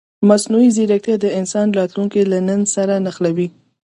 مصنوعي ځیرکتیا د انسان راتلونکی له نن سره نښلوي.